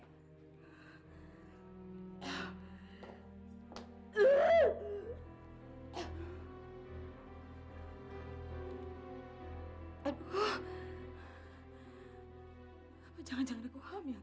apa jangan jangan riku hamil